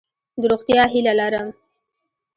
د روغتیا هیله لرم.